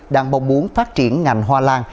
đang mong muốn phát triển ngành hoa lan